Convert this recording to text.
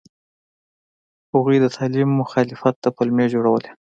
هغوی د تعلیم مخالفت ته پلمې جوړولې.